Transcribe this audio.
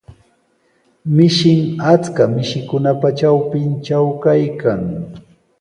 Mishin achka mishikunapa trawpintraw kaykan.